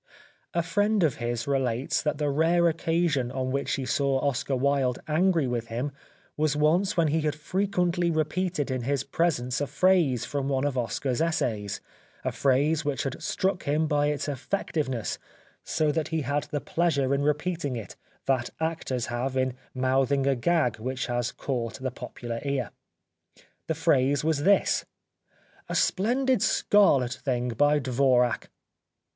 A friend of his relates that the rare occasion on which he saw Oscar Wilde angry with him was once when he had frequently repeated in his presence a phrase from one of Oscar's essays, a phrase which had struck him by its effectiveness so that he had the pleasure 134 The Life of Oscar Wilde in repeating it that actors have in mouthing a " gag " which has caught the popular ear. This phrase was: "a splendid scarlet thing by Dvorak."